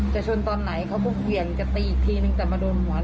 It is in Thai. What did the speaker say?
ชนตอนไหนเขาก็เหวี่ยงจะตีอีกทีนึงแต่มาโดนหัว